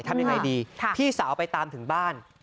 ทำยังไงดีพี่สาวไปตามถึงบ้าน